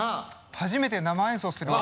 初めて生演奏するの。